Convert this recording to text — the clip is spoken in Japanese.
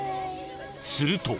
すると］